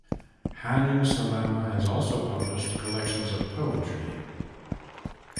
Hannu Salama has also published collections of poetry.